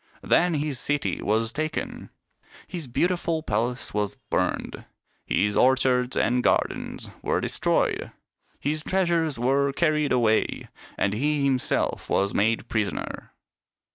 Then his city was taken, his beauti ful palace was burned, his orchards and gardens were destroyed, his treasures were carried away, and he himself was made prisoner.